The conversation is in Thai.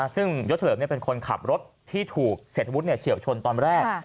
ซึ่งยศเฉลิมเป็นคนขับรถที่ถูกเศรษฐวุฒิเฉียวชนตอนแรก